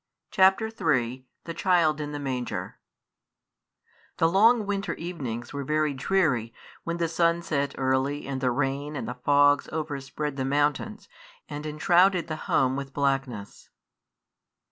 CHAPTER III THE CHILD IN THE MANGER The long winter evenings were very dreary when the sun set early and the rain and the fogs overspread the mountains, and enshrouded the home with blackness.